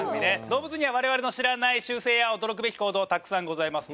動物には我々の知らない習性や驚くべき行動たくさんございます。